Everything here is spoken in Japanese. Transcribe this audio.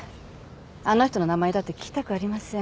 あの人の名前だって聞きたくありません。